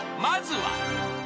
［まずは］